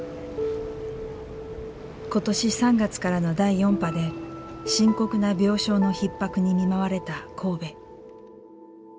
今年３月からの第４波で深刻な病床のひっ迫に見舞われた神戸。